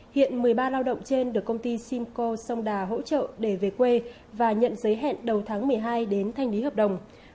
hiện một mươi ba lao động trên được công ty simcoe songda hỗ trợ để về quê và nhận giấy hẹn đầu tháng một mươi hai đến thanh lý hợp đồng